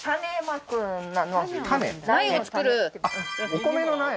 お米の苗？